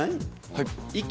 はい。